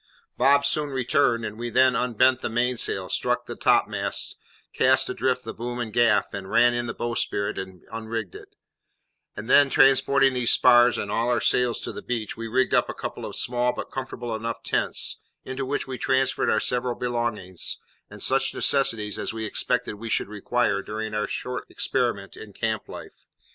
Bob soon returned, and we then unbent the mainsail, struck the topmast, cast adrift the boom and gaff, and ran in the bowsprit and unrigged it; and, then, transporting these spars and all our sails to the beach, we rigged up a couple of small but comfortable enough tents, into which we transferred our several belongings, and such necessaries as we expected we should require during our short experiment in camp life.